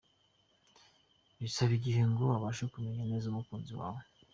Bisaba igihe ngo ubashe kumenya neza umukunzi wawe.